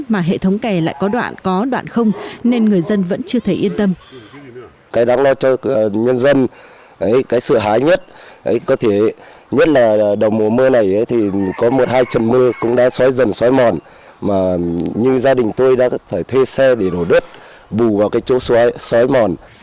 mà hệ thống kè lại có đoạn có đoạn không nên người dân vẫn chưa thấy yên tâm